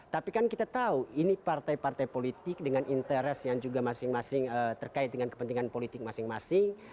tapi kan kita tahu ini partai partai politik dengan interest yang juga masing masing terkait dengan kepentingan politik masing masing